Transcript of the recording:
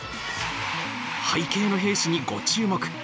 背景の兵士に、ご注目。